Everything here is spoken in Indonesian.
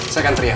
saya akan teriak